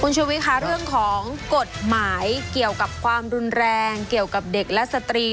ชุวิตค่ะเรื่องของกฎหมายเกี่ยวกับความรุนแรงเกี่ยวกับเด็กและสตรี